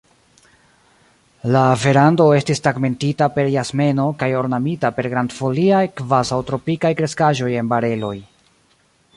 La verando estis tegmentita per jasmeno kaj ornamita per grandfoliaj, kvazaŭtropikaj kreskaĵoj en bareloj.